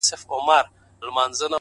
مثبت ذهن پر رڼا تمرکز کوي،